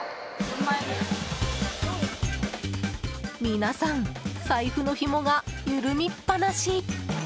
皆さん、財布のひもが緩みっぱなし。